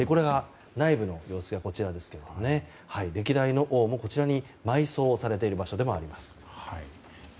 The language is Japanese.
内部の様子がこちらですが歴代の王も埋葬された場所でもあります。